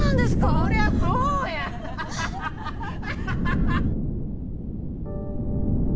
そりゃそうやハハハ